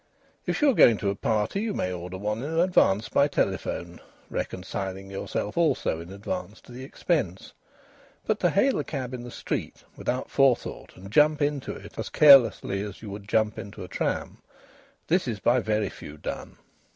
If you are going to a party you may order one in advance by telephone, reconciling yourself also in advance to the expense, but to hail a cab in the street without forethought and jump into it as carelessly as you would jump into a tram this is by very few done.